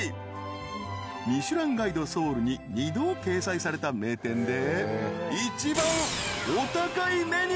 ［『ミシュランガイドソウル』に二度掲載された名店で］